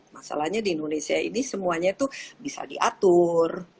masalahnya di indonesia ini semuanya itu bisa diatur